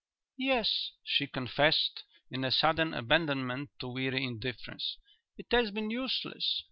"Yes," she confessed, in a sudden abandonment to weary indifference, "it has been useless.